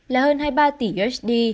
là hơn hai mươi ba tỷ usd